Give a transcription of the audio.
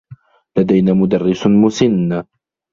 لدينا مدرّس مسنّ.